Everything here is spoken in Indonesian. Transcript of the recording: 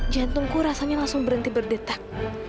jantungku rasanya langsung berhenti berdetak